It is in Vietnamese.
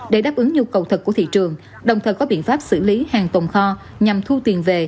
để đáp ứng nhu cầu thật của thị trường đồng thời có biện pháp xử lý hàng tồn kho nhằm thu tiền về